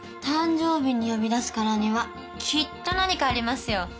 誕生日に呼び出すからにはきっと何かありますよ。